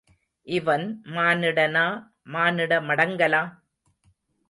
இவன் மானிடனா, மானிட மடங்கலா?